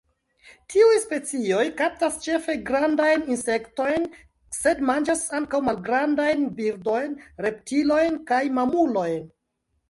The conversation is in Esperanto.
Tiuj specioj kaptas ĉefe grandajn insektojn, sed manĝas ankaŭ malgrandajn birdojn, reptiliojn kaj mamulojn.